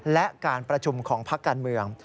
และการประชุมของพักการเมือง